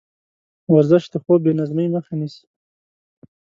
ورزش د خوب بېنظمۍ مخه نیسي.